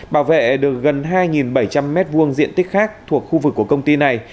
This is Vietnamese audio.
bảo vệ được gần hai bảy trăm linh m hai diện tích khác thuộc khu vực của công ty này